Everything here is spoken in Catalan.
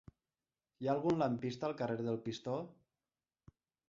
Hi ha algun lampista al carrer del Pistó?